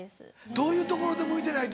どういうところで向いてないと？